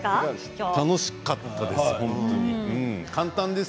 楽しかったです